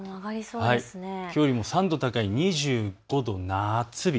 きょうよりも３度高い、２５度、夏日。